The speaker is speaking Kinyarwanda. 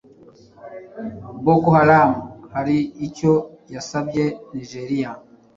Boko Haram hari icyo yasabye Nigeria